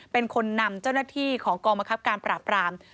เป็นคนนำเจ้าหน้าที่ของกองบังคับการปราบราม